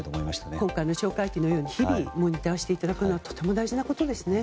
今回の哨戒機のように日々、モニターしていただくのはとても大事なことですね。